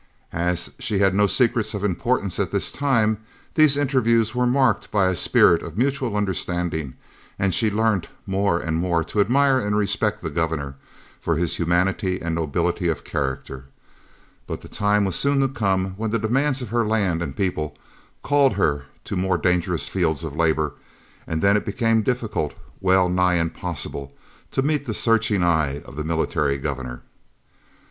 As she had no secrets of importance at this time, these interviews were marked by a spirit of mutual understanding, and she learnt more and more to admire and respect the Governor for his humanity and nobility of character; but the time was soon to come when the demands of her land and people called her to more dangerous fields of labour, and then it became difficult, well nigh impossible, to meet the searching eye of the Military Governor.